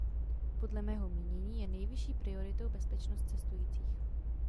Podle mého mínění je nejvyšší prioritou bezpečnost cestujících.